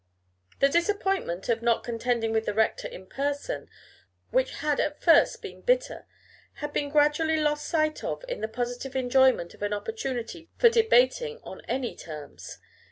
The disappointment of not contending with the rector in person, which had at first been bitter, had been gradually lost sight of in the positive enjoyment of an opportunity for debating on any terms.